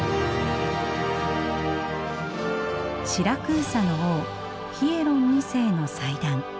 シラクーサの王ヒエロン二世の祭壇。